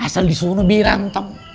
asal disono berantem